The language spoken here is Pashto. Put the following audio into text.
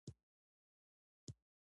له شپږو میاشتو زیات د کار دریدل.